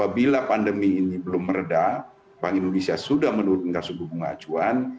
bila pandemi ini belum meredah bank indonesia sudah menurunkan suku bunga acuan